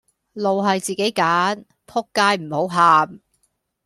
路係自己揀,仆街唔好喊